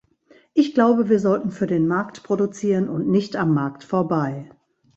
Ich glaube, wir sollten für den Markt produzieren und nicht am Markt vorbei.